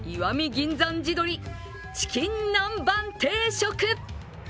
銀山地鶏チキン南蛮定食。